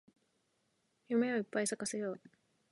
夢をいっぱい咲かせよう